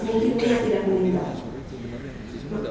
mungkin dia tidak meninggal